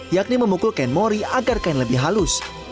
yakni memukul kain mori agar kain lebih halus